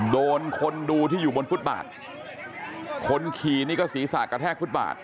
โดนคนดูที่อยู่บนฟุตบาทคนขี่นี่ก็ศีรษะกระแทกฟุตบาท